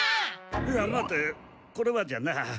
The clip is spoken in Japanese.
いや待てこれはじゃなあ